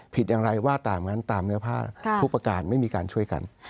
ผิดอย่างไรว่าตามงั้นตามเนื้อผ้าทุกประการไม่มีการช่วยกัน